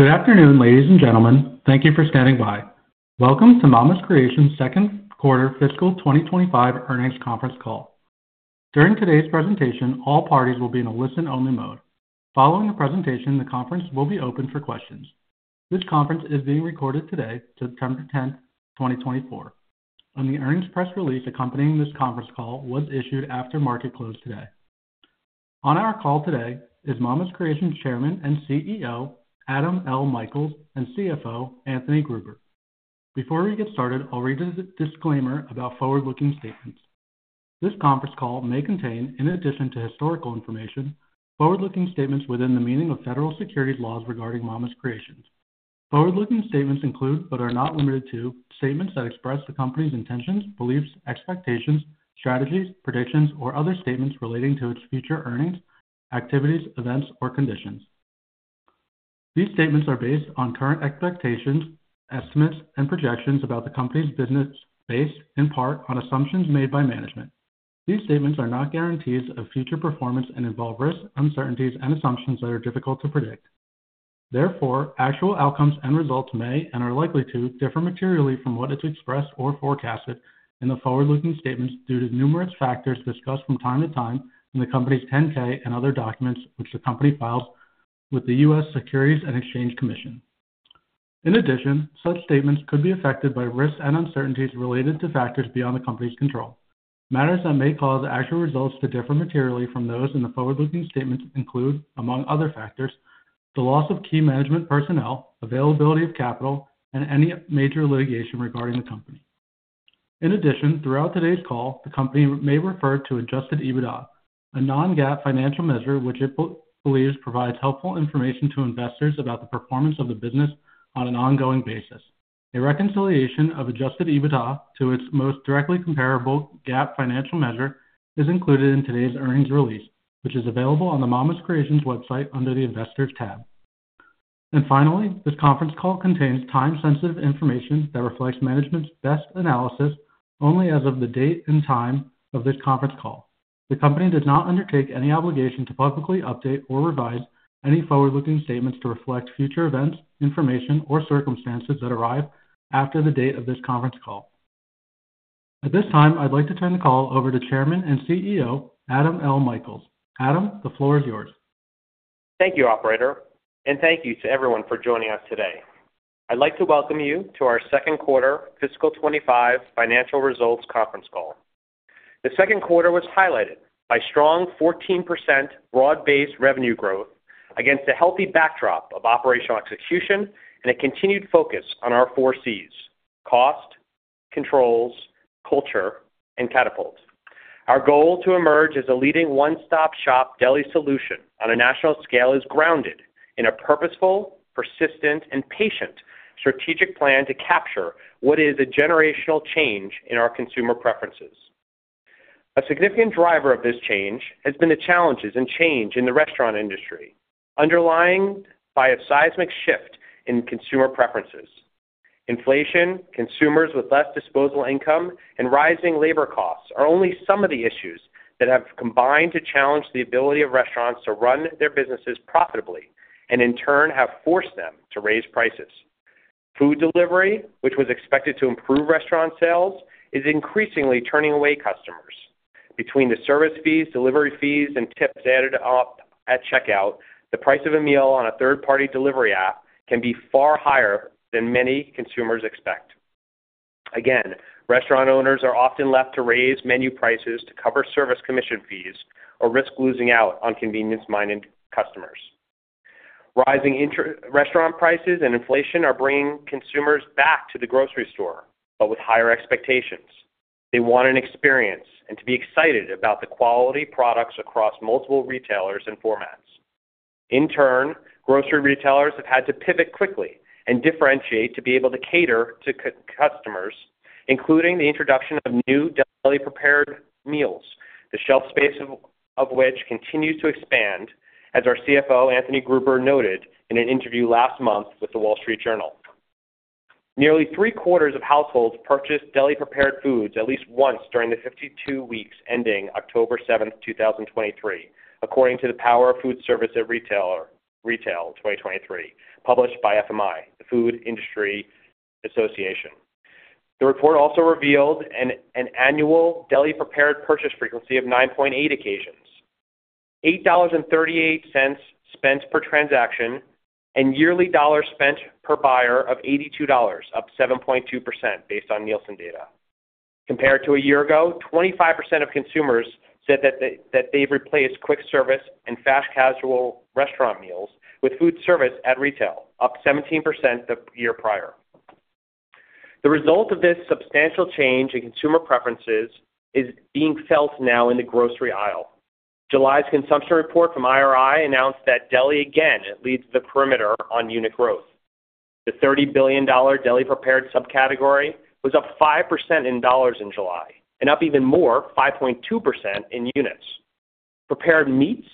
Good afternoon, ladies and gentlemen. Thank you for standing by. Welcome to Mama's Creations' second quarter fiscal 2025 earnings conference call. During today's presentation, all parties will be in a listen-only mode. Following the presentation, the conference will be open for questions. This conference is being recorded today, September 10th, 2024, and the earnings press release accompanying this conference call was issued after market close today. On our call today is Mama's Creations' Chairman and CEO, Adam L. Michaels, and CFO, Anthony Gruber. Before we get started, I'll read a disclaimer about forward-looking statements. This conference call may contain, in addition to historical information, forward-looking statements within the meaning of federal securities laws regarding Mama's Creations. Forward-looking statements include, but are not limited to, statements that express the company's intentions, beliefs, expectations, strategies, predictions, or other statements relating to its future earnings, activities, events, or conditions. These statements are based on current expectations, estimates, and projections about the company's business, based in part on assumptions made by management. These statements are not guarantees of future performance and involve risks, uncertainties and assumptions that are difficult to predict. Therefore, actual outcomes and results may, and are likely to, differ materially from what is expressed or forecasted in the forward-looking statements due to numerous factors discussed from time to time in the company's 10-K and other documents, which the company files with the U.S. Securities and Exchange Commission. In addition, such statements could be affected by risks and uncertainties related to factors beyond the company's control. Matters that may cause actual results to differ materially from those in the forward-looking statements include, among other factors, the loss of key management personnel, availability of capital, and any major litigation regarding the company. In addition, throughout today's call, the company may refer to adjusted EBITDA, a non-GAAP financial measure, which it believes provides helpful information to investors about the performance of the business on an ongoing basis. A reconciliation of adjusted EBITDA to its most directly comparable GAAP financial measure is included in today's earnings release, which is available on the Mama's Creations website under the Investors tab. And finally, this conference call contains time-sensitive information that reflects management's best analysis only as of the date and time of this conference call. The company does not undertake any obligation to publicly update or revise any forward-looking statements to reflect future events, information, or circumstances that arise after the date of this conference call. At this time, I'd like to turn the call over to Chairman and CEO, Adam L. Michaels. Adam, the floor is yours. Thank you, operator, and thank you to everyone for joining us today. I'd like to welcome you to our second quarter fiscal 2025 financial results conference call. The second quarter was highlighted by strong 14% broad-based revenue growth against a healthy backdrop of operational execution and a continued focus on our four Cs: cost, controls, culture, and catapults. Our goal to emerge as a leading one-stop-shop deli solution on a national scale is grounded in a purposeful, persistent, and patient strategic plan to capture what is a generational change in our consumer preferences. A significant driver of this change has been the challenges and change in the restaurant industry, underlying by a seismic shift in consumer preferences. Inflation, consumers with less disposable income, and rising labor costs are only some of the issues that have combined to challenge the ability of restaurants to run their businesses profitably, and in turn, have forced them to raise prices. Food delivery, which was expected to improve restaurant sales, is increasingly turning away customers. Between the service fees, delivery fees, and tips added up at checkout, the price of a meal on a third-party delivery app can be far higher than many consumers expect. Again, restaurant owners are often left to raise menu prices to cover service commission fees or risk losing out on convenience-minded customers. Rising inter-restaurant prices and inflation are bringing consumers back to the grocery store, but with higher expectations. They want an experience and to be excited about the quality products across multiple retailers and formats. In turn, grocery retailers have had to pivot quickly and differentiate to be able to cater to customers, including the introduction of new deli-prepared meals, the shelf space of which continues to expand, as our CFO, Anthony Gruber, noted in an interview last month with The Wall Street Journal. Nearly three-quarters of households purchased deli-prepared foods at least once during the 52 weeks ending October 7th, 2023, according to the Power of Foodservice at Retail 2023, published by FMI, the Food Industry Association. The report also revealed an annual deli-prepared purchase frequency of 9.8 occasions, $8.38 spent per transaction, and yearly dollar spent per buyer of $82, up 7.2%, based on Nielsen data. Compared to a year ago, 25% of consumers said that they, that they've replaced quick-service and fast-casual restaurant meals with food service at retail, up 17% the year prior. The result of this substantial change in consumer preferences is being felt now in the grocery aisle. July's consumption report from IRI announced that deli again leads the perimeter on unit growth. The $30 billion deli-prepared subcategory was up 5% in dollars in July, and up even more, 5.2% in units. Prepared meats,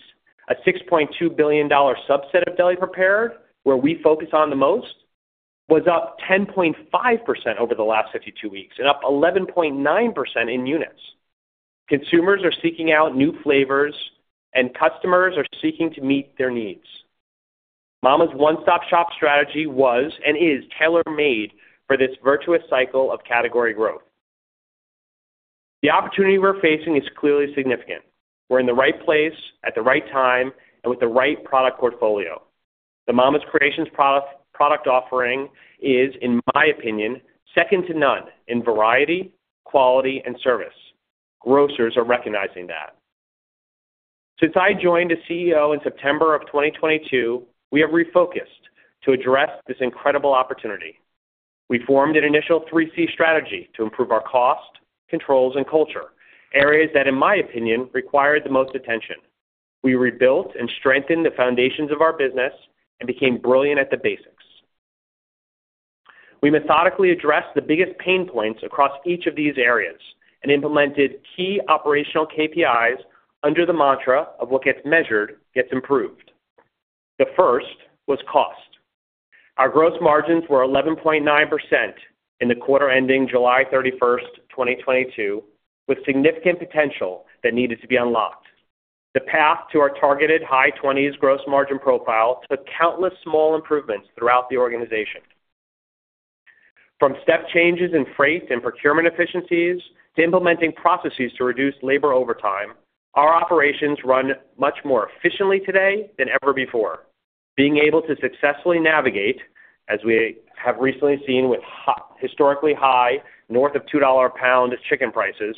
a $6.2 billion subset of deli-prepared, where we focus on the most, was up 10.5% over the last 52 weeks, and up 11.9% in units. Consumers are seeking out new flavors, and customers are seeking to meet their needs. Mama's one-stop-shop strategy was and is tailor-made for this virtuous cycle of category growth. The opportunity we're facing is clearly significant. We're in the right place, at the right time, and with the right product portfolio. The Mama's Creations product, product offering is, in my opinion, second to none in variety, quality, and service. Grocers are recognizing that. Since I joined as CEO in September of 2022, we have refocused to address this incredible opportunity. We formed an initial three C strategy to improve our cost, controls, and culture, areas that, in my opinion, required the most attention. We rebuilt and strengthened the foundations of our business and became brilliant at the basics. We methodically addressed the biggest pain points across each of these areas and implemented key operational KPIs under the mantra of what gets measured, gets improved. The first was cost. Our gross margins were 11.9% in the quarter ending July 31st, 2022, with significant potential that needed to be unlocked. The path to our targeted high 20s gross margin profile took countless small improvements throughout the organization. From step changes in freight and procurement efficiencies to implementing processes to reduce labor overtime, our operations run much more efficiently today than ever before. Being able to successfully navigate, as we have recently seen with historically high, north of $2 a pound chicken prices,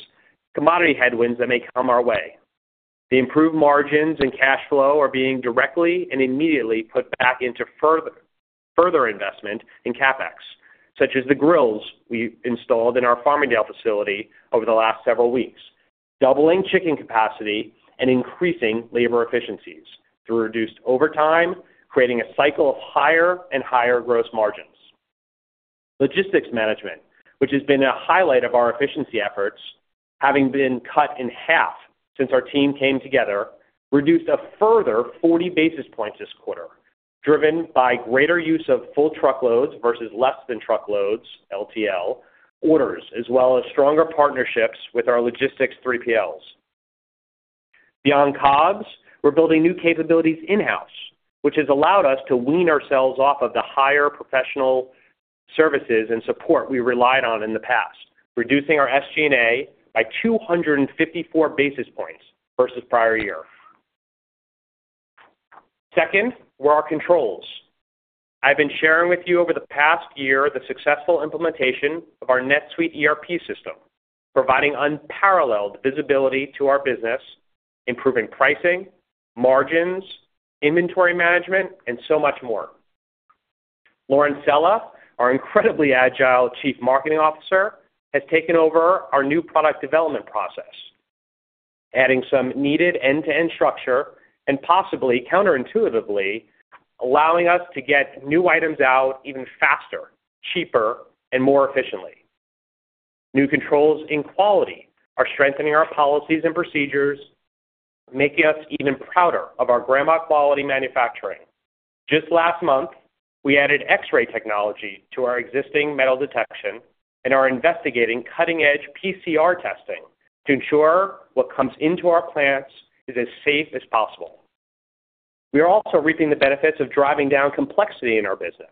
commodity headwinds that may come our way. The improved margins and cash flow are being directly and immediately put back into further investment in CapEx, such as the grills we installed in our Farmingdale facility over the last several weeks, doubling chicken capacity and increasing labor efficiencies through reduced overtime, creating a cycle of higher and higher gross margins. Logistics management, which has been a highlight of our efficiency efforts, having been cut in half since our team came together, reduced a further 40 basis points this quarter, driven by greater use of full truckloads versus less than truckloads, LTL, orders, as well as stronger partnerships with our logistics 3PLs. Beyond COGS, we're building new capabilities in-house, which has allowed us to wean ourselves off of the higher professional services and support we relied on in the past, reducing our SG&A by 254 basis points versus prior year. Second, were our controls. I've been sharing with you over the past year, the successful implementation of our NetSuite ERP system, providing unparalleled visibility to our business, improving pricing, margins, inventory management, and so much more. Lauren Sella, our incredibly agile Chief Marketing Officer, has taken over our new product development process, adding some needed end-to-end structure and possibly, counterintuitively, allowing us to get new items out even faster, cheaper, and more efficiently. New controls in quality are strengthening our policies and procedures, making us even prouder of our grandma quality manufacturing. Just last month, we added X-ray technology to our existing metal detection and are investigating cutting-edge PCR testing to ensure what comes into our plants is as safe as possible. We are also reaping the benefits of driving down complexity in our business.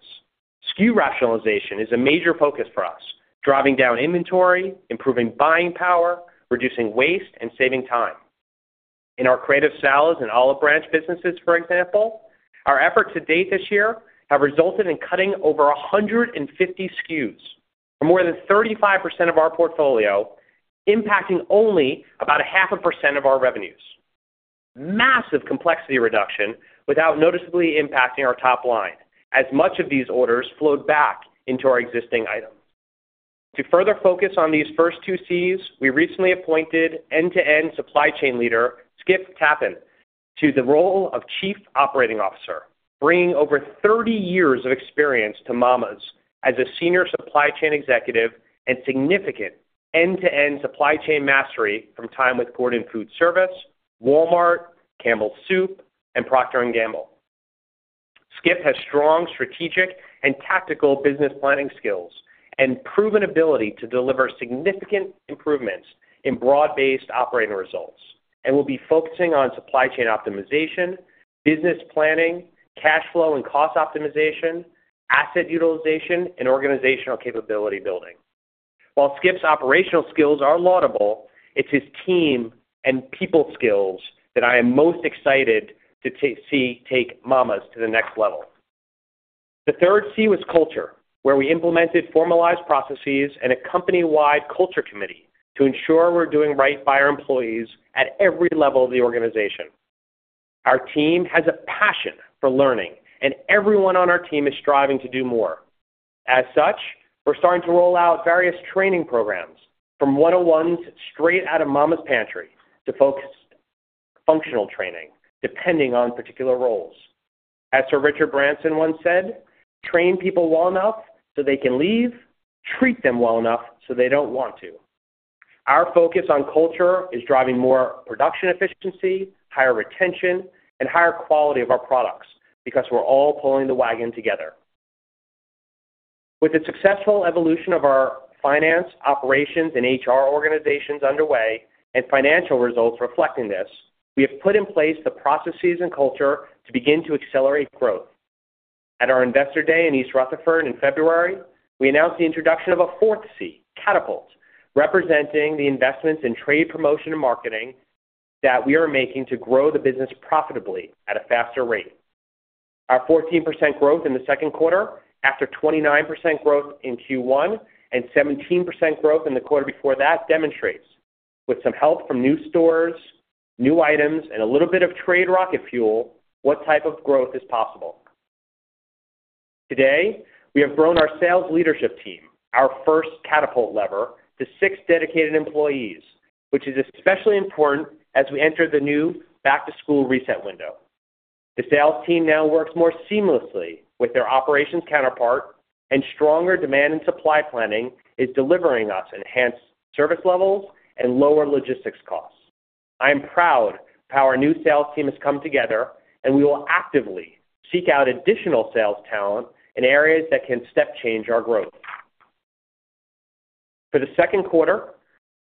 SKU rationalization is a major focus for us, driving down inventory, improving buying power, reducing waste, and saving time. In our Creative Salads and Olive Branch businesses, for example, our efforts to date this year have resulted in cutting over 150 SKUs for more than 35% of our portfolio, impacting only about 0.5% of our revenues. Massive complexity reduction without noticeably impacting our top line, as much of these orders flowed back into our existing items. To further focus on these first two Cs, we recently appointed end-to-end supply chain leader, Skip Tappan, to the role of Chief Operating Officer, bringing over 30 years of experience to Mama's as a senior supply chain executive and significant end-to-end supply chain mastery from time with Gordon Food Service, Walmart, Campbell Soup, and Procter & Gamble. Skip has strong strategic and tactical business planning skills and proven ability to deliver significant improvements in broad-based operating results and will be focusing on supply chain optimization, business planning, cash flow and cost optimization, asset utilization, and organizational capability building. While Skip's operational skills are laudable, it's his team and people skills that I am most excited to take Mama's to the next level. The third C was culture, where we implemented formalized processes and a company-wide culture committee to ensure we're doing right by our employees at every level of the organization. Our team has a passion for learning, and everyone on our team is striving to do more. As such, we're starting to roll out various training programs, from one-on-ones straight out of Mama's pantry, to focused functional training, depending on particular roles. As Sir Richard Branson once said, "Train people well enough so they can leave. Treat them well enough so they don't want to." Our focus on culture is driving more production efficiency, higher retention, and higher quality of our products because we're all pulling the wagon together. With the successful evolution of our finance, operations, and HR organizations underway and financial results reflecting this, we have put in place the processes and culture to begin to accelerate growth. At our Investor Day in East Rutherford in February, we announced the introduction of a fourth C, catapult, representing the investments in trade promotion and marketing that we are making to grow the business profitably at a faster rate. Our 14% growth in the second quarter, after 29% growth in Q1 and 17% growth in the quarter before that, demonstrates, with some help from new stores, new items, and a little bit of trade rocket fuel, what type of growth is possible. Today, we have grown our sales leadership team, our first catapult lever, to six dedicated employees, which is especially important as we enter the new back-to-school reset window. The sales team now works more seamlessly with their operations counterpart, and stronger demand and supply planning is delivering us enhanced service levels and lower logistics costs. I am proud of how our new sales team has come together, and we will actively seek out additional sales talent in areas that can step change our growth. For the second quarter,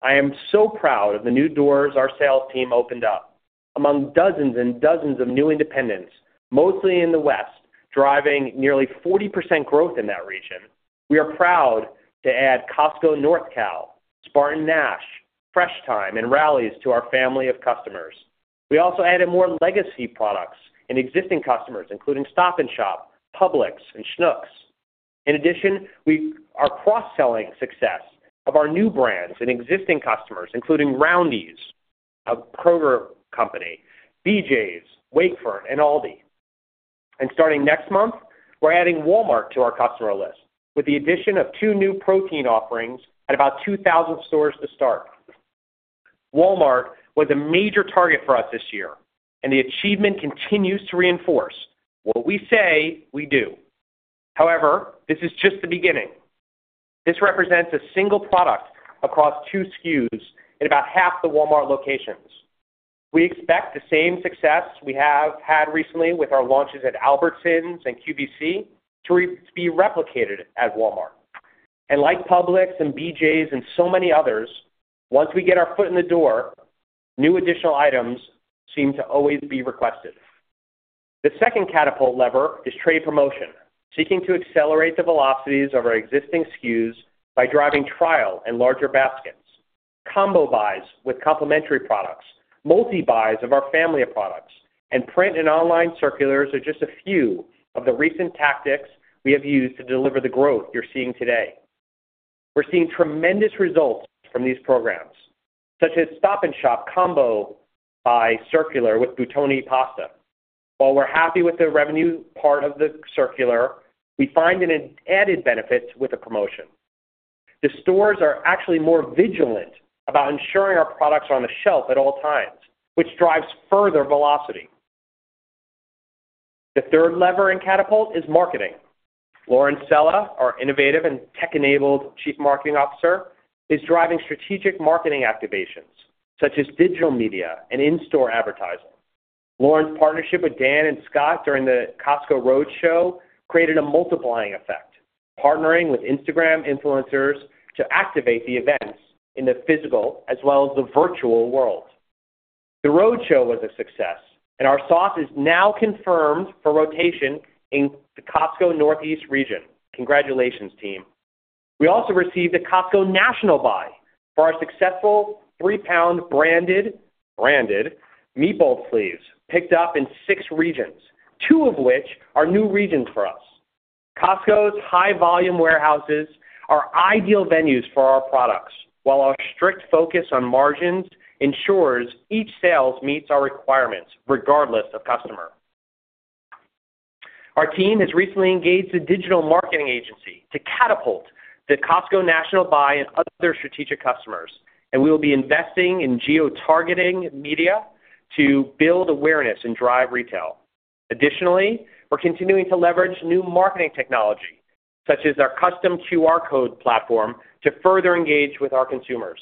I am so proud of the new doors our sales team opened up. Among dozens and dozens of new independents, mostly in the West, driving nearly 40% growth in that region, we are proud to add Costco NorCal, SpartanNash, Fresh Thyme, and Raley's to our family of customers. We also added more legacy products and existing customers, including Stop & Shop, Publix, and Schnucks. In addition, our cross-selling success of our new brands and existing customers, including Roundy's, a Kroger company, BJ's, Wakefern, and Aldi, and starting next month, we're adding Walmart to our customer list, with the addition of two new protein offerings at about 2,000 stores to start. Walmart was a major target for us this year, and the achievement continues to reinforce what we say, we do. However, this is just the beginning. This represents a single product across two SKUs in about half the Walmart locations. We expect the same success we have had recently with our launches at Albertsons and QVC to be replicated at Walmart. And like Publix and BJ's and so many others, once we get our foot in the door, new additional items seem to always be requested. The second catapult lever is trade promotion, seeking to accelerate the velocities of our existing SKUs by driving trial and larger baskets. Combo buys with complementary products, multi-buys of our family of products, and print and online circulars are just a few of the recent tactics we have used to deliver the growth you're seeing today. We're seeing tremendous results from these programs, such as Stop & Shop combo buy circular with Buitoni pasta. While we're happy with the revenue part of the circular, we find an added benefit with the promotion. The stores are actually more vigilant about ensuring our products are on the shelf at all times, which drives further velocity. The third lever in catapult is marketing. Lauren Sella, our innovative and tech-enabled Chief Marketing Officer, is driving strategic marketing activations such as digital media and in-store advertising. Lauren's partnership with Dan and Scott during the Costco Roadshow created a multiplying effect, partnering with Instagram influencers to activate the events in the physical as well as the virtual world. The roadshow was a success, and our sauce is now confirmed for rotation in the Costco Northeast region. Congratulations, team. We also received a Costco national buy for our successful three-pound branded meatball sleeves, picked up in six regions, two of which are new regions for us. Costco's high volume warehouses are ideal venues for our products, while our strict focus on margins ensures each sales meets our requirements, regardless of customer. Our team has recently engaged a digital marketing agency to catapult the Costco national buy and other strategic customers, and we will be investing in geotargeting media to build awareness and drive retail. Additionally, we're continuing to leverage new marketing technology, such as our custom QR code platform, to further engage with our consumers.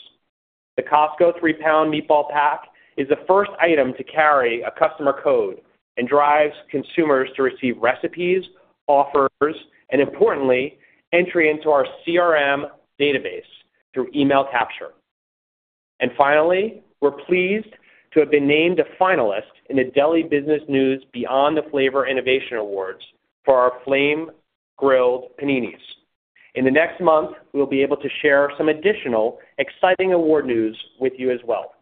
The Costco three-pound meatball pack is the first item to carry a QR code and drives consumers to receive recipes, offers, and importantly, entry into our CRM database through email capture. And finally, we're pleased to have been named a finalist in the Deli Business News Beyond the Flavor Innovation Awards for our Flame Grilled Paninis. In the next month, we'll be able to share some additional exciting award news with you as well.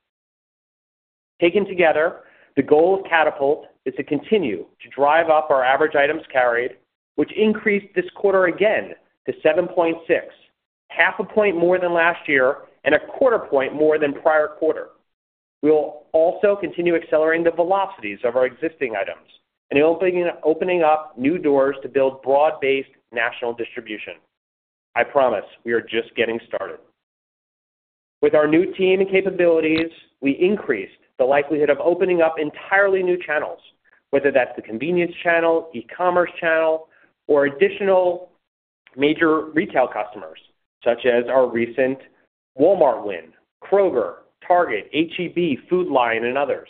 Taken together, the goal of catapult is to continue to drive up our average items carried, which increased this quarter again to 7.6, 0.5 more than last year and a quarter point more than prior quarter. We will also continue accelerating the velocities of our existing items and opening up new doors to build broad-based national distribution. I promise we are just getting started. With our new team and capabilities, we increased the likelihood of opening up entirely new channels, whether that's the convenience channel, e-commerce channel, or additional major retail customers, such as our recent Walmart win, Kroger, Target, H-E-B, Food Lion, and others.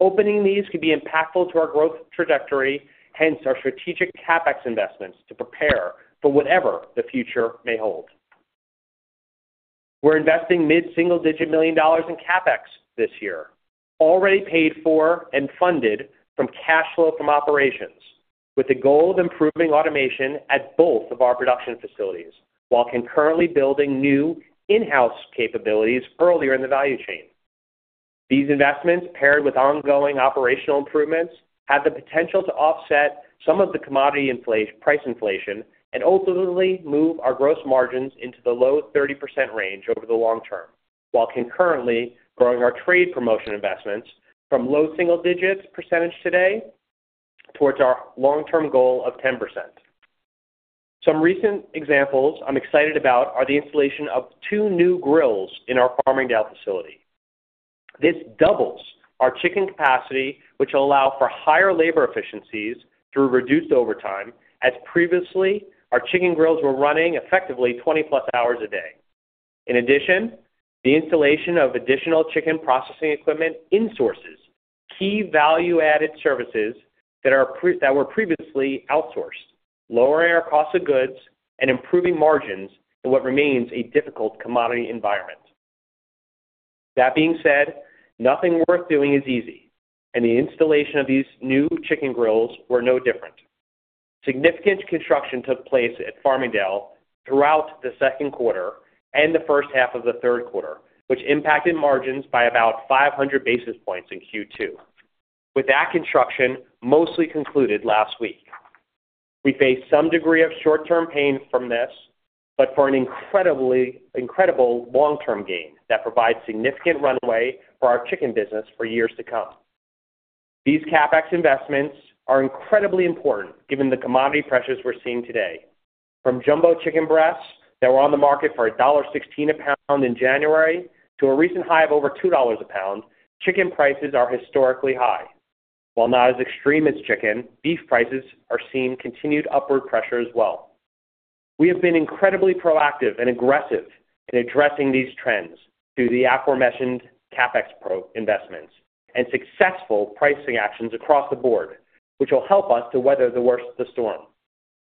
Opening these could be impactful to our growth trajectory, hence our strategic CapEx investments to prepare for whatever the future may hold. We're investing mid-single-digit million dollars in CapEx this year, already paid for and funded from cash flow from operations, with the goal of improving automation at both of our production facilities, while concurrently building new in-house capabilities earlier in the value chain. These investments, paired with ongoing operational improvements, have the potential to offset some of the commodity price inflation and ultimately move our gross margins into the low 30% range over the long term, while concurrently growing our trade promotion investments from low single digits percentage today towards our long-term goal of 10%. Some recent examples I'm excited about are the installation of two new grills in our Farmingdale facility. This doubles our chicken capacity, which will allow for higher labor efficiencies through reduced overtime, as previously, our chicken grills were running effectively 20+ hours a day. In addition, the installation of additional chicken processing equipment insources key value-added services that were previously outsourced, lowering our cost of goods and improving margins in what remains a difficult commodity environment. That being said, nothing worth doing is easy, and the installation of these new chicken grills were no different. Significant construction took place at Farmingdale throughout the second quarter and the first half of the third quarter, which impacted margins by about 500 basis points in Q2, with that construction mostly concluded last week. We face some degree of short-term pain from this, but for an incredible long-term gain that provides significant runway for our chicken business for years to come. These CapEx investments are incredibly important, given the commodity pressures we're seeing today. From jumbo chicken breasts that were on the market for $1.16 a pound in January, to a recent high of over $2 a pound, chicken prices are historically high. While not as extreme as chicken, beef prices are seeing continued upward pressure as well. We have been incredibly proactive and aggressive in addressing these trends through the aforementioned CapEx program investments and successful pricing actions across the board, which will help us to weather the worst of the storm.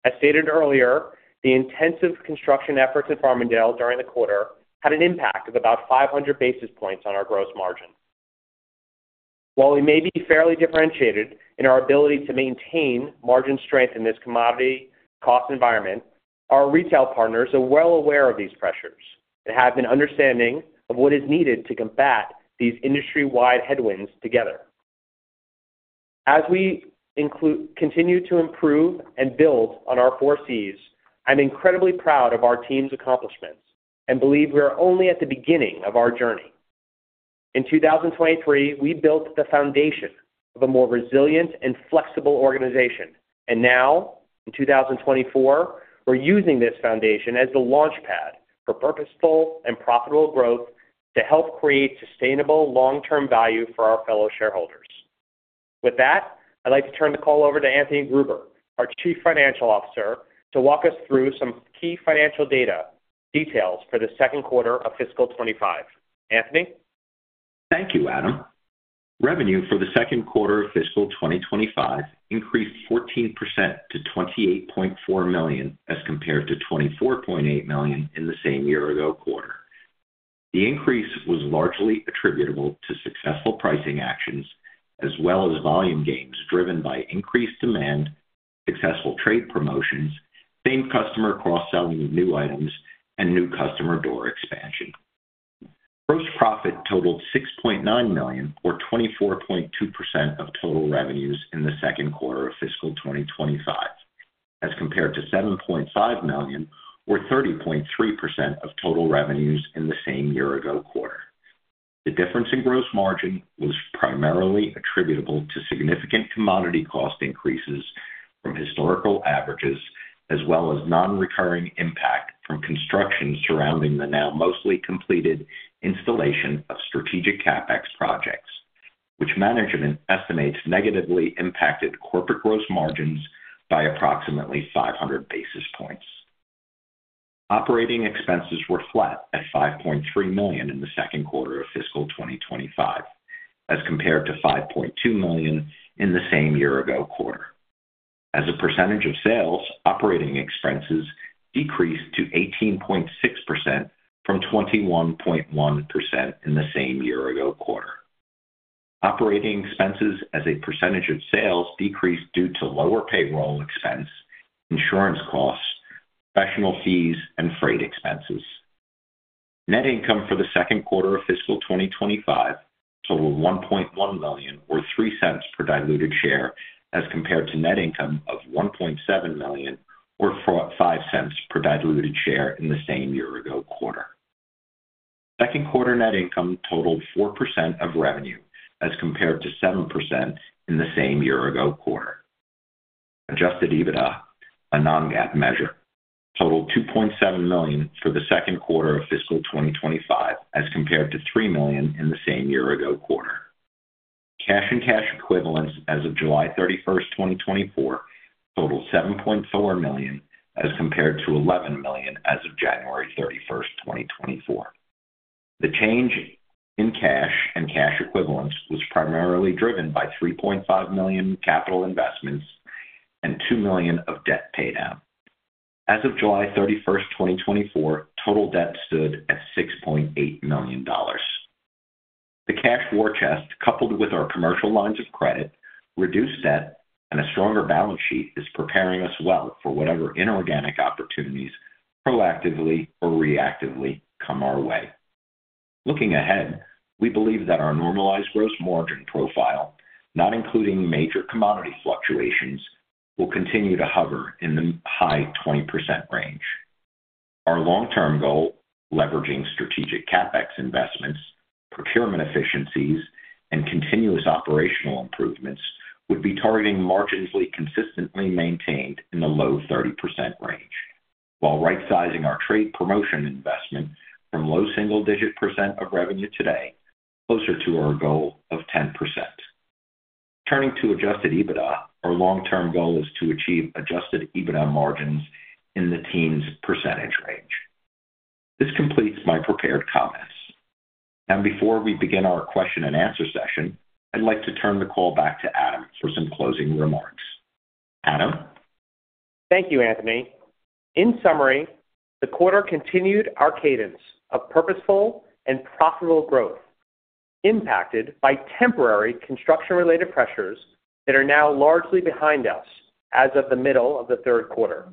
As stated earlier, the intensive construction efforts at Farmingdale during the quarter had an impact of about 500 basis points on our gross margin. While we may be fairly differentiated in our ability to maintain margin strength in this commodity cost environment, our retail partners are well aware of these pressures and have an understanding of what is needed to combat these industry-wide headwinds together. As we continue to improve and build on our four Cs, I'm incredibly proud of our team's accomplishments and believe we are only at the beginning of our journey. In 2023, we built the foundation of a more resilient and flexible organization, and now, in 2024, we're using this foundation as the launchpad for purposeful and profitable growth to help create sustainable long-term value for our fellow shareholders. With that, I'd like to turn the call over to Anthony Gruber, our Chief Financial Officer, to walk us through some key financial data details for the second quarter of fiscal 2025. Anthony? Thank you, Adam. Revenue for the second quarter of fiscal 2025 increased 14% to $28.4 million, as compared to $24.8 million in the same year-ago quarter. The increase was largely attributable to successful pricing actions as well as volume gains, driven by increased demand, successful trade promotions, same-customer cross-selling of new items, and new customer door expansion. Gross profit totaled $6.9 million, or 24.2% of total revenues in the second quarter of fiscal 2025, as compared to $7.5 million, or 30.3% of total revenues in the same year-ago quarter. The difference in gross margin was primarily attributable to significant commodity cost increases from historical averages, as well as non-recurring impact from construction surrounding the now mostly completed installation of strategic CapEx projects, which management estimates negatively impacted corporate gross margins by approximately 500 basis points. Operating expenses were flat at $5.3 million in the second quarter of fiscal 2025, as compared to $5.2 million in the same year-ago quarter. As a percentage of sales, operating expenses decreased to 18.6% from 21.1% in the same year-ago quarter. Operating expenses as a percentage of sales decreased due to lower payroll expense, insurance costs, professional fees, and freight expenses. Net income for the second quarter of fiscal 2025 totaled $1.1 million, or $0.03 per diluted share, as compared to net income of $1.7 million, or $0.04, $0.05 per diluted share in the same year-ago quarter. Second quarter net income totaled 4% of revenue, as compared to 7% in the same year-ago quarter. Adjusted EBITDA, a non-GAAP measure, totaled $2.7 million for the second quarter of fiscal 2025, as compared to $3 million in the same year-ago quarter. Cash and cash equivalents as of July 31st, 2024, total $7.4 million as compared to $11 million as of January 31st, 2024. The change in cash and cash equivalents was primarily driven by $3.5 million capital investments and $2 million of debt paydown. As of July 31st, 2024, total debt stood at $6.8 million. The cash war chest, coupled with our commercial lines of credit, reduced debt and a stronger balance sheet, is preparing us well for whatever inorganic opportunities, proactively or reactively, come our way. Looking ahead, we believe that our normalized gross margin profile, not including major commodity fluctuations, will continue to hover in the high 20% range. Our long-term goal, leveraging strategic CapEx investments, procurement efficiencies, and continuous operational improvements, would be targeting margins we consistently maintained in the low 30% range, while rightsizing our trade promotion investment from low-single-digit percent of revenue today, closer to our goal of 10%. Turning to adjusted EBITDA, our long-term goal is to achieve adjusted EBITDA margins in the teens percentage range. This completes my prepared comments. Now, before we begin our question and answer session, I'd like to turn the call back to Adam for some closing remarks. Adam? Thank you, Anthony. In summary, the quarter continued our cadence of purposeful and profitable growth, impacted by temporary construction-related pressures that are now largely behind us as of the middle of the third quarter.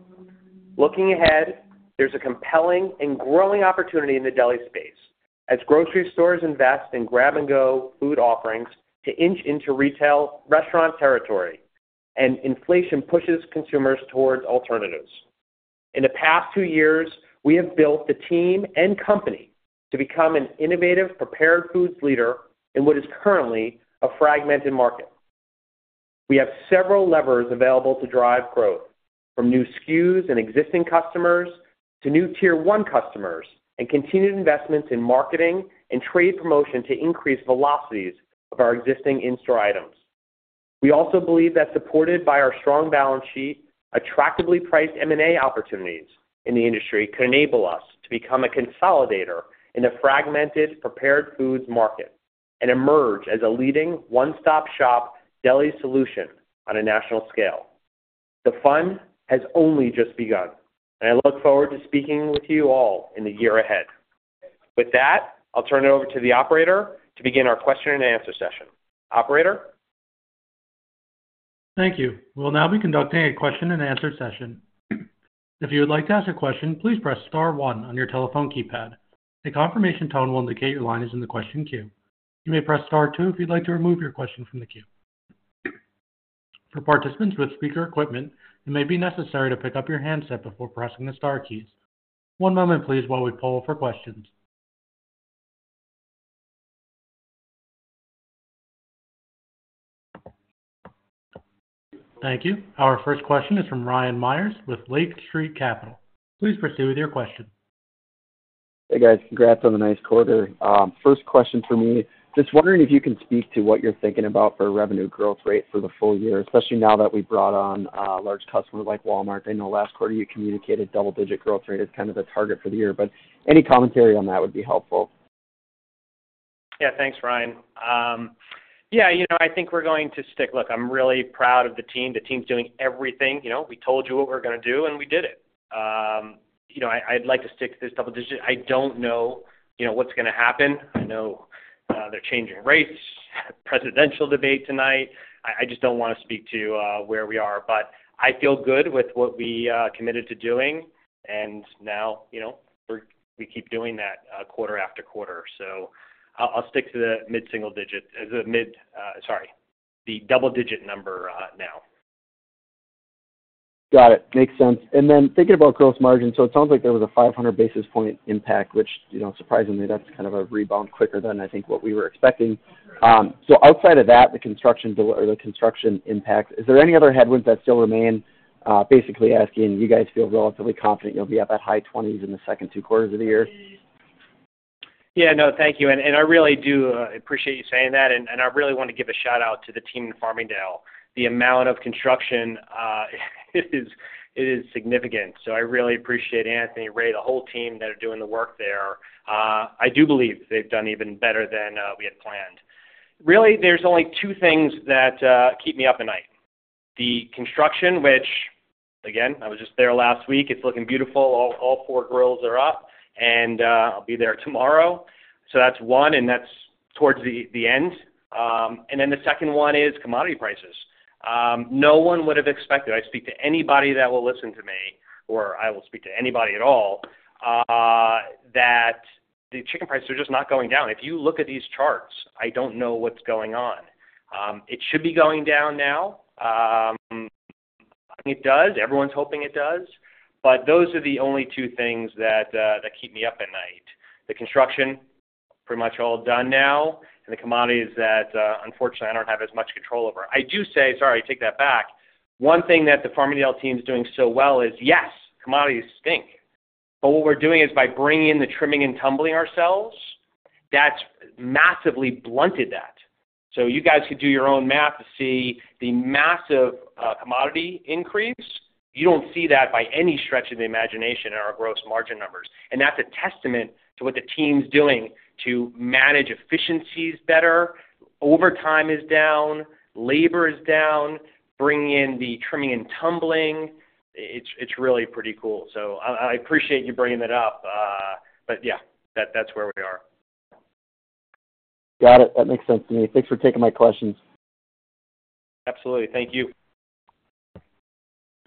Looking ahead, there's a compelling and growing opportunity in the deli space as grocery stores invest in grab-and-go food offerings to inch into retail restaurant territory, and inflation pushes consumers towards alternatives. In the past two years, we have built the team and company to become an innovative prepared foods leader in what is currently a fragmented market. We have several levers available to drive growth, from new SKUs and existing customers to new tier one customers, and continued investments in marketing and trade promotion to increase velocities of our existing in-store items. We also believe that, supported by our strong balance sheet, attractively priced M&A opportunities in the industry can enable us to become a consolidator in the fragmented prepared foods market and emerge as a leading one-stop shop deli solution on a national scale. The fun has only just begun, and I look forward to speaking with you all in the year ahead. With that, I'll turn it over to the operator to begin our question and answer session. Operator? Thank you. We'll now be conducting a question and answer session. If you would like to ask a question, please press star one on your telephone keypad. A confirmation tone will indicate your line is in the question queue. You may press star two if you'd like to remove your question from the queue. For participants with speaker equipment, it may be necessary to pick up your handset before pressing the star keys. One moment please while we poll for questions. Thank you. Our first question is from Ryan Meyers with Lake Street Capital. Please proceed with your question. Hey, guys. Congrats on the nice quarter. First question for me, just wondering if you can speak to what you're thinking about for revenue growth rate for the full year, especially now that we've brought on a large customer like Walmart. I know last quarter you communicated double-digit growth rate as kind of the target for the year, but any commentary on that would be helpful. Yeah, thanks, Ryan. Yeah, you know, I think we're going to stick. Look, I'm really proud of the team. The team's doing everything. You know, we told you what we're gonna do, and we did it. You know, I'd like to stick to this double-digit. I don't know, you know, what's gonna happen. I know, they're changing rates, presidential debate tonight. I just don't wanna speak to, where we are, but I feel good with what we committed to doing, and now, you know, we're we keep doing that, quarter after quarter. So I'll stick to the mid-single-digit as a mid, sorry, the double-digit number, now. Got it. Makes sense. And then thinking about gross margin, so it sounds like there was a 500 basis point impact, which, you know, surprisingly, that's kind of a rebound quicker than I think what we were expecting. So outside of that, the construction delay or the construction impact, is there any other headwinds that still remain? Basically asking, do you guys feel relatively confident you'll be at that high 20s in the second two quarters of the year? Yeah. No, thank you. And I really do appreciate you saying that. And I really want to give a shout-out to the team in Farmingdale. The amount of construction is. It is significant. So I really appreciate Anthony, Ray, the whole team that are doing the work there. I do believe they've done even better than we had planned. Really, there's only two things that keep me up at night. The construction, which, again, I was just there last week, it's looking beautiful. All four grills are up and I'll be there tomorrow. So that's one, and that's towards the end. And then the second one is commodity prices. No one would have expected, I speak to anybody that will listen to me, or I will speak to anybody at all, that the chicken prices are just not going down. If you look at these charts, I don't know what's going on. It should be going down now. It does. Everyone's hoping it does, but those are the only two things that, that keep me up at night. The construction, pretty much all done now, and the commodities that, unfortunately, I don't have as much control over. I do say. Sorry, I take that back. One thing that the Farmingdale team is doing so well is, yes, commodities stink, but what we're doing is by bringing in the trimming and tumbling ourselves. That's massively blunted that. So you guys could do your own math to see the massive, commodity increase. You don't see that by any stretch of the imagination in our gross margin numbers, and that's a testament to what the team's doing to manage efficiencies better. Overtime is down, labor is down, bringing in the trimming and tumbling. It's really pretty cool. So I appreciate you bringing that up, but yeah, that's where we are. Got it. That makes sense to me. Thanks for taking my questions. Absolutely. Thank you.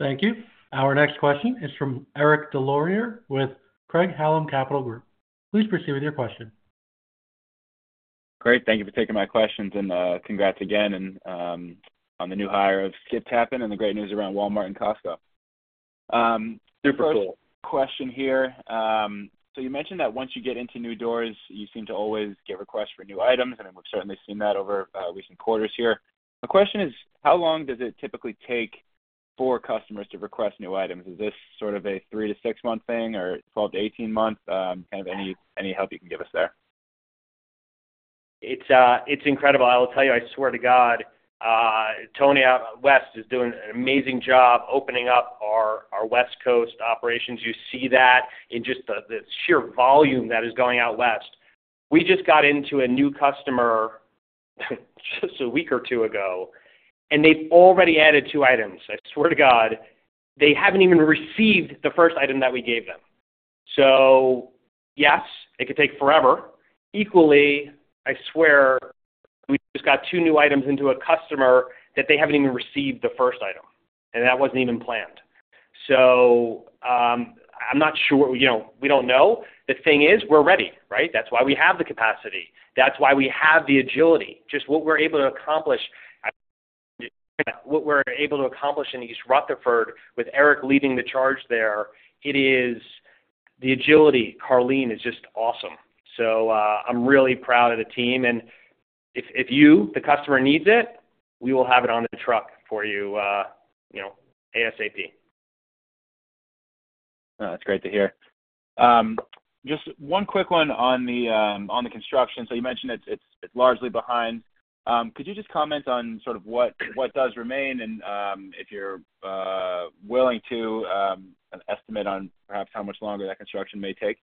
Thank you. Our next question is from Eric Des Lauriers with Craig-Hallum Capital Group. Please proceed with your question. Great. Thank you for taking my questions, and, congrats again, and, on the new hire of Skip Tappan and the great news around Walmart and Costco. Super cool. First question here. So you mentioned that once you get into new doors, you seem to always get requests for new items, and we've certainly seen that over recent quarters here. The question is: how long does it typically take for customers to request new items? Is this sort of a three- to six-month thing or 12- to 18-month thing? Kind of any help you can give us there. It's incredible. I will tell you, I swear to God, Tony out West is doing an amazing job opening up our West Coast operations. You see that in just the sheer volume that is going out West. We just got into a new customer, just a week or two ago, and they've already added two items. I swear to God, they haven't even received the first item that we gave them. So yes, it could take forever. Equally, I swear, we just got two new items into a customer that they haven't even received the first item, and that wasn't even planned. So, I'm not sure, you know, we don't know. The thing is, we're ready, right? That's why we have the capacity. That's why we have the agility. Just what we're able to accomplish in East Rutherford with Eric leading the charge there, it is... the agility, Carlene, is just awesome. So, I'm really proud of the team, and if you, the customer, needs it, we will have it on the truck for you, you know, ASAP. That's great to hear. Just one quick one on the construction. You mentioned it's largely behind. Could you just comment on sort of what does remain and if you're willing to an estimate on perhaps how much longer that construction may take?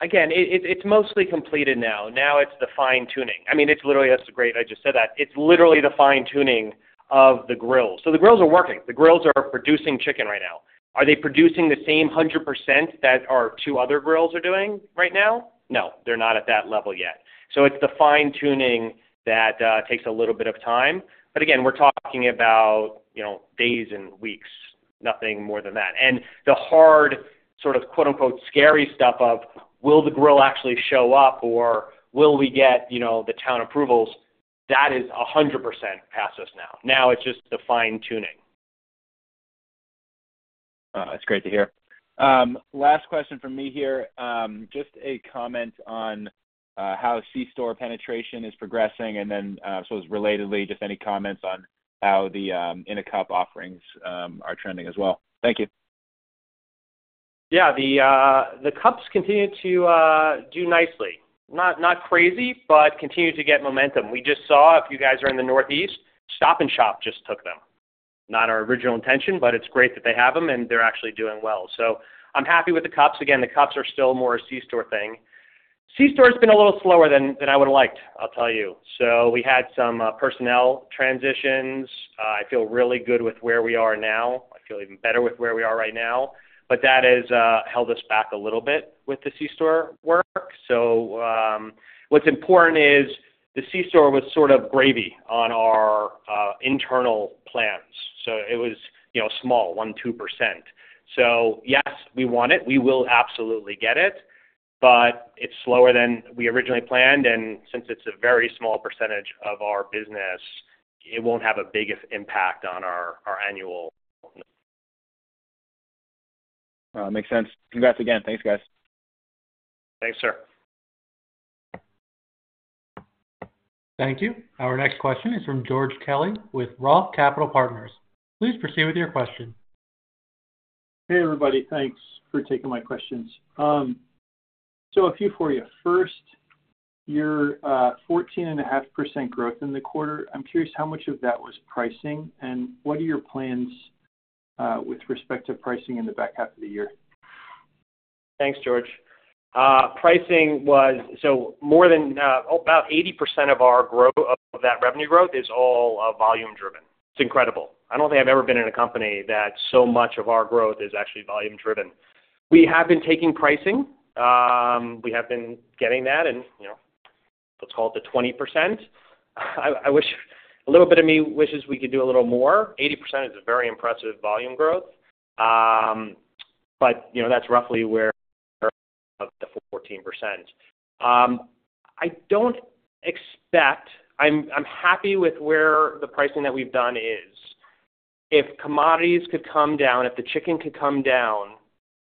Again, it's mostly completed now. Now it's the fine-tuning. I mean, it's literally, that's great, I just said that. It's literally the fine-tuning of the grills. So the grills are working. The grills are producing chicken right now. Are they producing the same 100% that our two other grills are doing right now? No, they're not at that level yet. So it's the fine-tuning that takes a little bit of time. But again, we're talking about, you know, days and weeks, nothing more than that. And the hard sort of, quote-unquote, "scary stuff" of will the grill actually show up or will we get, you know, the town approvals? That is 100% past us now. Now it's just the fine-tuning. That's great to hear. Last question from me here. Just a comment on how C-store penetration is progressing, and then, so as relatedly, just any comments on how the In-A-Cup offerings are trending as well. Thank you. Yeah, the cups continue to do nicely. Not, not crazy, but continue to get momentum. We just saw, if you guys are in the Northeast, Stop & Shop just took them. Not our original intention, but it's great that they have them, and they're actually doing well. So I'm happy with the cups. Again, the cups are still more a C-store thing. C-store's been a little slower than, than I would have liked, I'll tell you. So we had some personnel transitions. I feel really good with where we are now. I feel even better with where we are right now, but that has held us back a little bit with the C-store work. So, what's important is the C-store was sort of gravy on our internal plans, so it was, you know, small, 1%-2%. So yes, we want it. We will absolutely get it, but it's slower than we originally planned, and since it's a very small percentage of our business, it won't have a biggest impact on our annual. Makes sense. Congrats again. Thanks, guys. Thanks, sir. Thank you. Our next question is from George Kelly with ROTH Capital Partners. Please proceed with your question. Hey, everybody. Thanks for taking my questions. So a few for you. First, your 14.5% growth in the quarter, I'm curious, how much of that was pricing, and what are your plans with respect to pricing in the back half of the year? Thanks, George. Pricing was. So more than about 80% of that revenue growth is all volume-driven. It's incredible. I don't think I've ever been in a company that so much of our growth is actually volume-driven. We have been taking pricing. We have been getting that and, you know, let's call it the 20%. I wish. A little bit of me wishes we could do a little more. 80% is a very impressive volume growth, but, you know, that's roughly where of the 14%. I don't expect. I'm happy with where the pricing that we've done is. If commodities could come down, if the chicken could come down,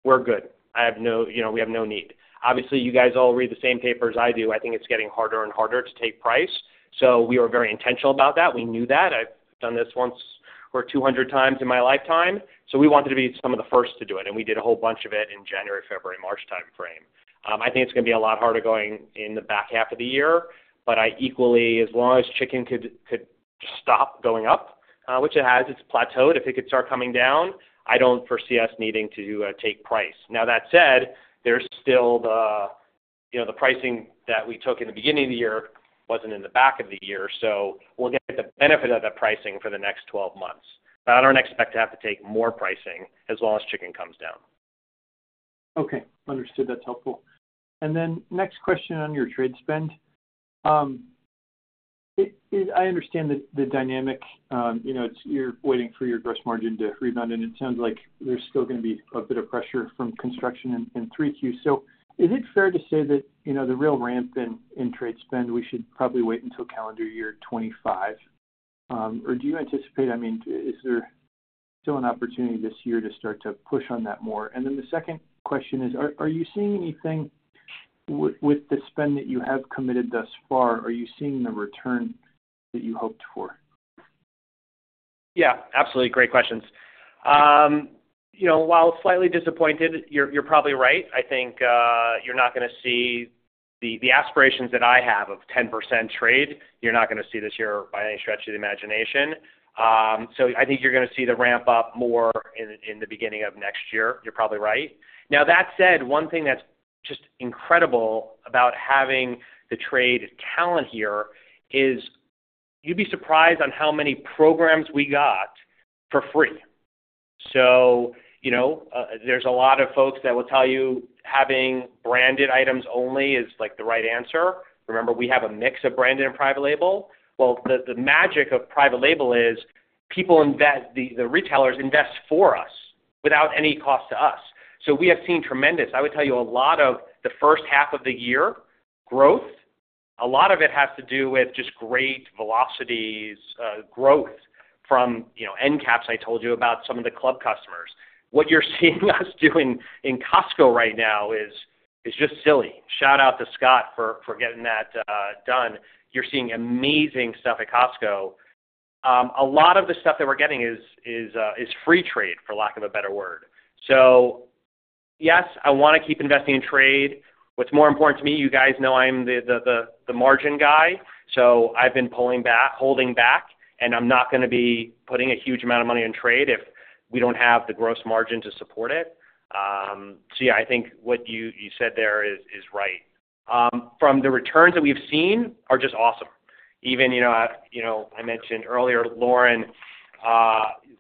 we're good. I have no, you know, we have no need. Obviously, you guys all read the same paper as I do. I think it's getting harder and harder to take price, so we were very intentional about that. We knew that. I've done this once or 200 times in my lifetime, so we wanted to be some of the first to do it, and we did a whole bunch of it in January, February, March timeframe. I think it's gonna be a lot harder going in the back half of the year, but I equally, as long as chicken could stop going up, which it has, it's plateaued. If it could start coming down, I don't foresee us needing to take price. Now, that said, there's still the, you know, the pricing that we took in the beginning of the year, wasn't in the back half of the year, so we'll get the benefit of that pricing for the next 12 months. But I don't expect to have to take more pricing as long as chicken comes down. Okay, understood. That's helpful. And then next question on your trade spend. I understand the dynamic, you know, it's you're waiting for your gross margin to rebound, and it sounds like there's still gonna be a bit of pressure from construction in 3Q. So is it fair to say that, you know, the real ramp in trade spend, we should probably wait until calendar year 2025? Or do you anticipate... I mean, is there still an opportunity this year to start to push on that more? And then the second question is, are you seeing anything with the spend that you have committed thus far, are you seeing the return that you hoped for? Yeah, absolutely. Great questions. You know, while slightly disappointed, you're probably right. I think you're not gonna see the aspirations that I have of 10% trade. You're not gonna see this year by any stretch of the imagination. So I think you're gonna see the ramp up more in the beginning of next year. You're probably right. Now, that said, one thing that's just incredible about having the trade talent here is you'd be surprised on how many programs we got for free. So you know, there's a lot of folks that will tell you having branded items only is, like, the right answer. Remember, we have a mix of branded and private label. Well, the magic of private label is the retailers invest for us without any cost to us. So we have seen tremendous... I would tell you, a lot of the first half of the year growth, a lot of it has to do with just great velocities, growth from, you know, end caps I told you about some of the club customers. What you're seeing us doing in Costco right now is just silly. Shout out to Scott for getting that done. You're seeing amazing stuff at Costco. A lot of the stuff that we're getting is free trade, for lack of a better word. So yes, I wanna keep investing in trade. What's more important to me, you guys know I'm the margin guy, so I've been pulling back, holding back, and I'm not gonna be putting a huge amount of money on trade if we don't have the gross margin to support it. So yeah, I think what you said there is right. From the returns that we've seen are just awesome. Even you know, I mentioned earlier, Lauren,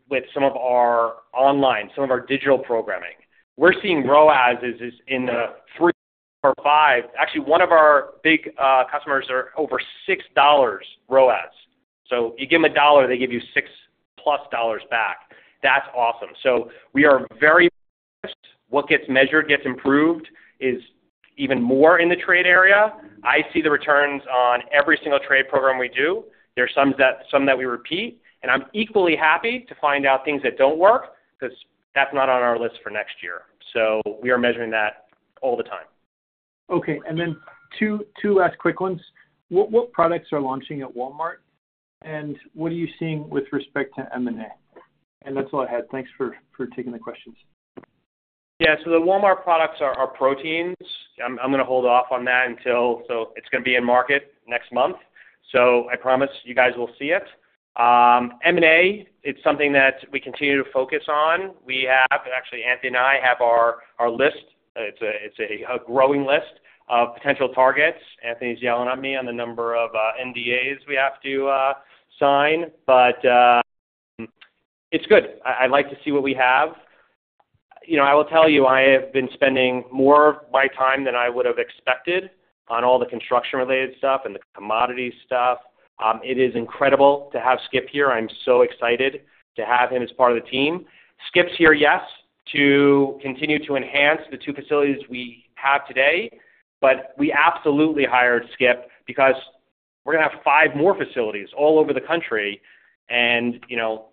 with some of our online, some of our digital programming, we're seeing ROAS is in three or five. Actually, one of our big customers are over $6 ROAS. So you give them a $1, they give you $6+ back. That's awesome. So we are very... what gets measured, gets improved is even more in the trade area. I see the returns on every single trade program we do. There are some that we repeat, and I'm equally happy to find out things that don't work, 'cause that's not on our list for next year. So we are measuring that all the time. Okay, and then two last quick ones. What products are launching at Walmart? And what are you seeing with respect to M&A? And that's all I had. Thanks for taking the questions. Yeah. So the Walmart products are proteins. I'm gonna hold off on that until... So it's gonna be in market next month, so I promise you guys will see it. M&A, it's something that we continue to focus on. We have actually Anthony and I have our list. It's a growing list of potential targets. Anthony's yelling at me on the number of NDAs we have to sign, but it's good. I like to see what we have. You know, I will tell you, I have been spending more of my time than I would have expected on all the construction-related stuff and the commodity stuff. It is incredible to have Skip here. I'm so excited to have him as part of the team. Skip's here, yes, to continue to enhance the two facilities we have today, but we absolutely hired Skip because we're gonna have five more facilities all over the country, and, you know,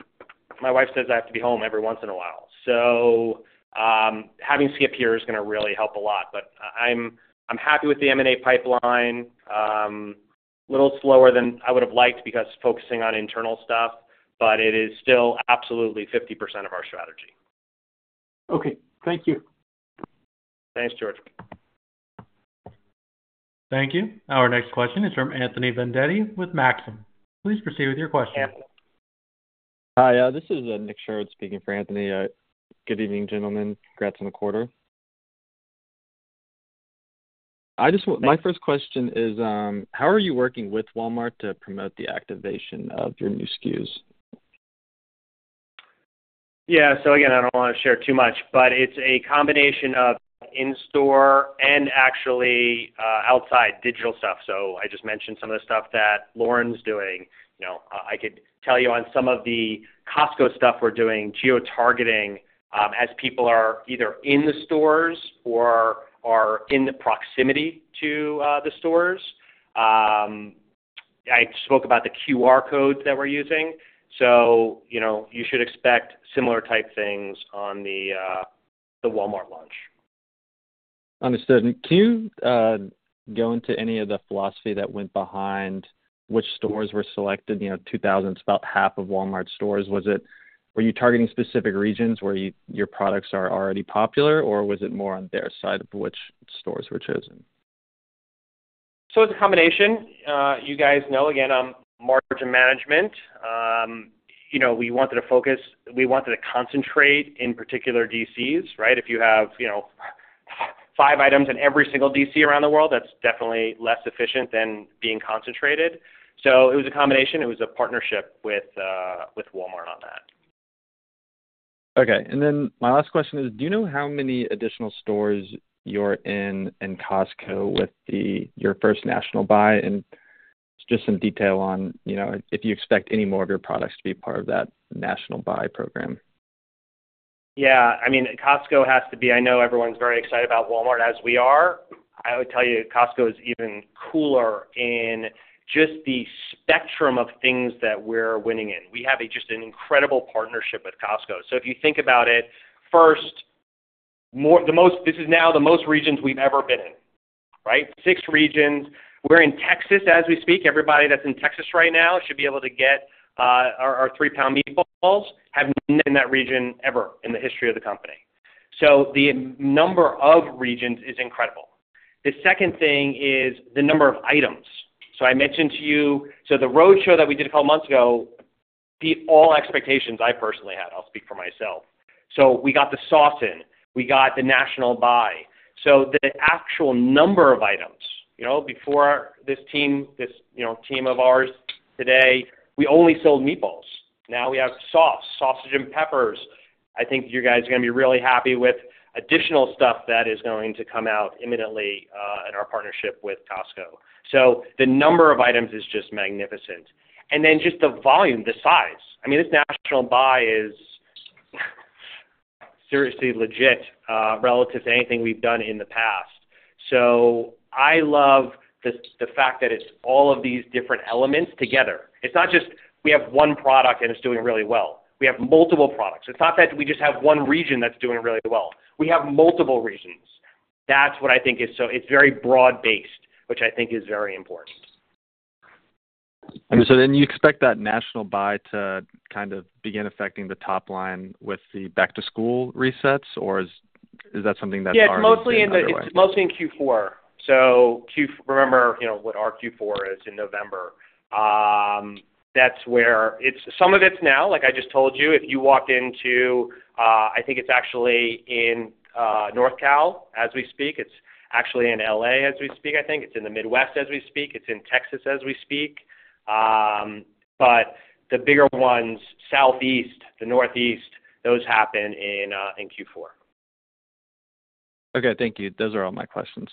my wife says I have to be home every once in a while. So, having Skip here is gonna really help a lot. But I'm happy with the M&A pipeline. A little slower than I would have liked because focusing on internal stuff, but it is still absolutely 50% of our strategy. Okay, thank you. Thanks, George. Thank you. Our next question is from Anthony Vendetti with Maxim. Please proceed with your question. Hi, this is Nick Sherwood speaking for Anthony. Good evening, gentlemen. Congrats on the quarter. I just want- my first question is, how are you working with Walmart to promote the activation of your new SKUs? Yeah, so again, I don't wanna share too much, but it's a combination of in-store and actually, outside digital stuff. So I just mentioned some of the stuff that Lauren's doing. You know, I could tell you on some of the Costco stuff we're doing, geotargeting, as people are either in the stores or are in the proximity to, the stores. I spoke about the QR codes that we're using. So, you know, you should expect similar type things on the Walmart launch. Understood. And can you go into any of the philosophy that went behind which stores were selected? You know, two thousand is about half of Walmart stores. Was it, were you targeting specific regions where your products are already popular, or was it more on their side of which stores were chosen? So it's a combination. You guys know, again, I'm margin management. You know, we wanted to concentrate in particular DCs, right? If you have, you know, five items in every single DC around the world, that's definitely less efficient than being concentrated. So it was a combination. It was a partnership with Walmart on that. Okay, and then my last question is: Do you know how many additional stores you're in in Costco with your first national buy? And just some detail on, you know, if you expect any more of your products to be part of that national buy program? Yeah, I mean, Costco has to be... I know everyone's very excited about Walmart as we are. I would tell you, Costco is even cooler in just the spectrum of things that we're winning in. We have just an incredible partnership with Costco. So if you think about it, first, the most, this is now the most regions we've ever been in, right? Six regions. We're in Texas as we speak. Everybody that's in Texas right now should be able to get our three-pound meatballs. Haven't been in that region ever in the history of the company. So the number of regions is incredible. The second thing is the number of items. So I mentioned to you, so the roadshow that we did a couple of months ago, beat all expectations I personally had. I'll speak for myself. So we got the sauce in, we got the national buy. So the actual number of items, you know, before this team, you know, team of ours today, we only sold meatballs. Now we have sauce, sausage and peppers. I think you guys are gonna be really happy with additional stuff that is going to come out imminently in our partnership with Costco. So the number of items is just magnificent. And then just the volume, the size. I mean, this national buy is seriously legit relative to anything we've done in the past. So I love the fact that it's all of these different elements together. It's not just we have one product and it's doing really well. We have multiple products. It's not that we just have one region that's doing really well. We have multiple regions. That's what I think is so... it's very broad-based, which I think is very important. And so then you expect that national buy to kind of begin affecting the top line with the back-to-school resets, or is that something that's already underway? Yeah, it's mostly in the, it's mostly in Q4. So, remember, you know, what our Q4 is in November. That's where it's, some of it's now, like I just told you, if you walk into, I think it's actually in NorCal as we speak, it's actually in L.A. as we speak, I think, it's in the Midwest as we speak, it's in Texas as we speak. But the bigger ones, Southeast, the Northeast, those happen in Q4. Okay, thank you. Those are all my questions.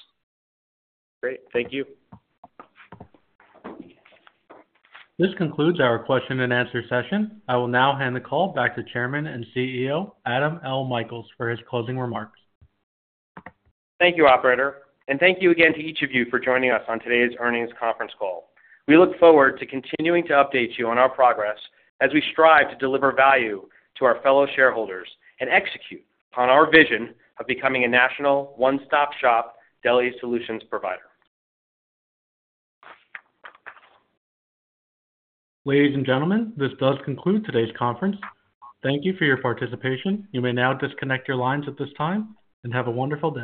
Great. Thank you. This concludes our question and answer session. I will now hand the call back to Chairman and CEO, Adam L. Michaels, for his closing remarks. Thank you, operator, and thank you again to each of you for joining us on today's earnings conference call. We look forward to continuing to update you on our progress as we strive to deliver value to our fellow shareholders and execute on our vision of becoming a national one-stop-shop deli solutions provider. Ladies and gentlemen, this does conclude today's conference. Thank you for your participation. You may now disconnect your lines at this time, and have a wonderful day.